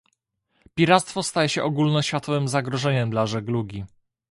Piractwo staje się ogólnoświatowym zagrożeniem dla żeglugi